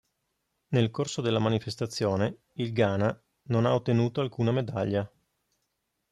Nel corso della manifestazione il Ghana non ha ottenuto alcuna medaglia.